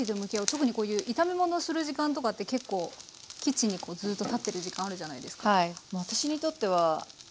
特にこういう炒め物をする時間とかって結構キッチンにずっと立ってる時間あるじゃないですか。